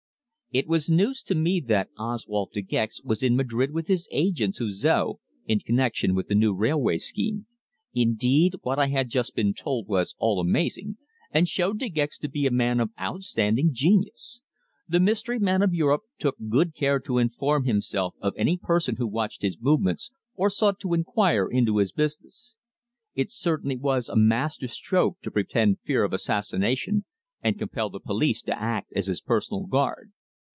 It was news to me that Oswald De Gex was in Madrid with his agent Suzor in connexion with the new railway scheme. Indeed, what I had just been told was all amazing, and showed De Gex to be a man of outstanding genius. The mystery man of Europe took good care to inform himself of any person who watched his movements, or sought to inquire into his business. It certainly was a master stroke to pretend fear of assassination, and compel the police to act as his personal guard.